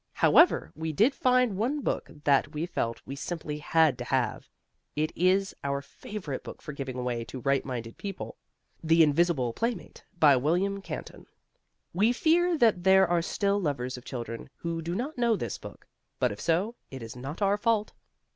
However, we did find one book that we felt we simply had to have, as it is our favourite book for giving away to right minded people "The Invisible Playmate," by William Canton. We fear that there are still lovers of children who do not know this book; but if so, it is not our fault.